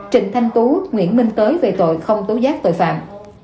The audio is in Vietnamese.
trịnh thanh tú nguyễn minh tới về tội không tố giác tội phạm